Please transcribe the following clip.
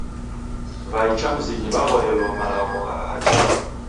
W'ai cha mizinyi w'aghorelo malagho gha hachi raw'o.